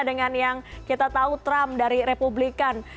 dengan yang kita tahu trump dari republikan